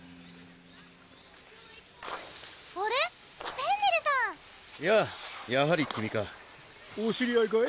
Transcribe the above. フェンネルさんやぁやはり君かお知り合いかい？